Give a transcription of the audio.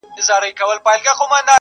o مار هم په دښمن مه وژنه.